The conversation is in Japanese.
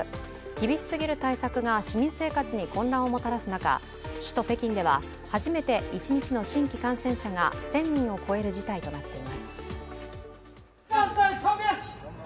厳しすぎる対策が市民生活に混乱をもたらす中、首都北京では初めて一日の新規感染者が１０００人を超える事態となっています。